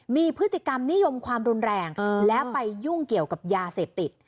มีพฤติกรรมนิยมความรุนแรงและไปยุ่งเกี่ยวกับยาเสพติด